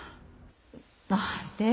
何で？